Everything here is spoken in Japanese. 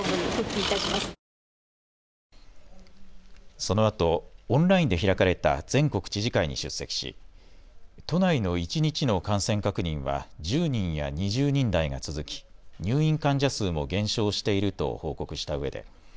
そのあとオンラインで開かれた全国知事会に出席し都内の一日の感染確認は１０人や２０人台が続き入院患者数も減少していると報告したうえで。